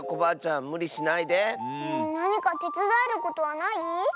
なにかてつだえることはない？